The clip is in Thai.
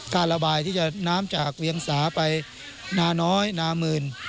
การระบายที่จะน้ำจากเวียงสาไปนาน้อยนามืน